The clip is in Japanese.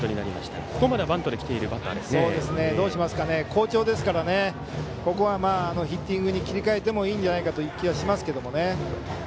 好調ですからヒッティングに切り替えてもいいんじゃないかという気もしますけどね。